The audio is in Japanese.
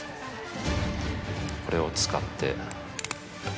これを使って。